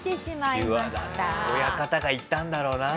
親方が言ったんだろうな。